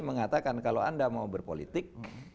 mengatakan kalau anda mau berpolitik